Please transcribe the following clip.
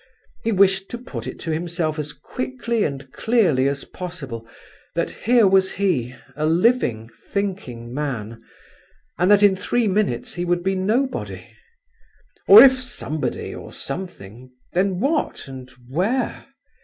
He wished to put it to himself as quickly and clearly as possible, that here was he, a living, thinking man, and that in three minutes he would be nobody; or if somebody or something, then what and where?